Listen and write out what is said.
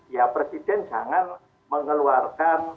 ya presiden jangan mengeluarkan